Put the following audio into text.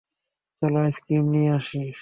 চলো আইসক্রিম নিয়ে আসি।